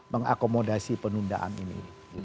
mengakomodasi penundaan ini